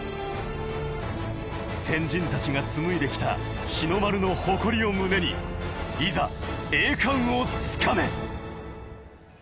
先人たちが紡いできた日の丸の誇りを胸に、いざ栄冠を掴め。